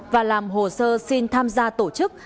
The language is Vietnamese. và làm hồ sơ xin tham gia tổ chức